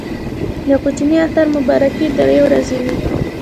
د کوچني اختر مبارکي درې ورځې وي.